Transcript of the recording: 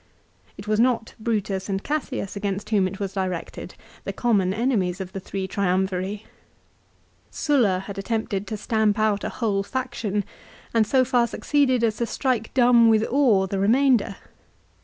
It was not Brutus and Cassius against whom it was directed, the common enemies of the three Triumviri. Sulla had attempted to stamp out a whole faction and so far succeeded as to strike dumb with awe the remainder.